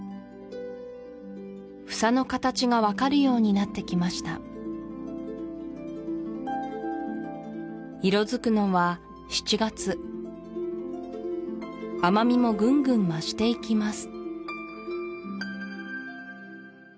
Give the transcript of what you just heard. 房の形が分かるようになってきました色づくのは７月甘みもぐんぐん増していきます